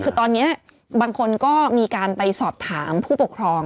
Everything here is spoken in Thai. คือตอนนี้บางคนก็มีการไปสอบถามผู้ปกครอง